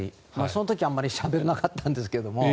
その時はあまりしゃべらなかったんですけど。